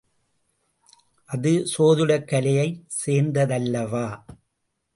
அது சோதிடக்கலையைச் சேர்ந்ததல்லவா?